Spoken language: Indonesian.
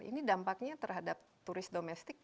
ini dampaknya terhadap turis domestik